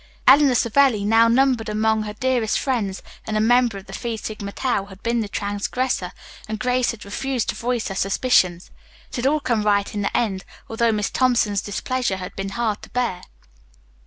Eleanor Savelli, now numbered among her dearest friends and a member of the Phi Sigma Tau, had been the transgressor, and Grace had refused to voice her suspicions. It had all come right in the end, although Miss Thompson's displeasure had been hard to bear.